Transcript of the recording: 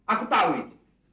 aku tahu itu